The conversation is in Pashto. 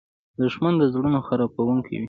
دښمن د زړونو خرابوونکی وي